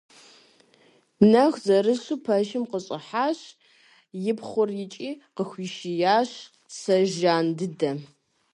Нэху зэрыщу пэшым къыщӀыхьащ и пхъур икӀи къыхуишиящ сэ жан дыдэ.